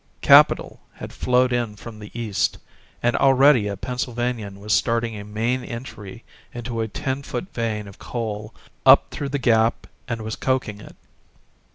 Capital had flowed in from the East, and already a Pennsylvanian was starting a main entry into a ten foot vein of coal up through the gap and was coking it.